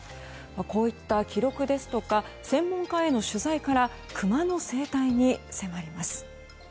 こういった記録ですとか専門家への取材からクマの生態に迫ります。